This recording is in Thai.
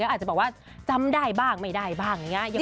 อาจจะบอกว่าจำได้บ้างไม่ได้บ้างอย่างนี้